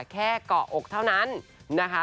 แค่เกาะอกเท่านั้นนะคะ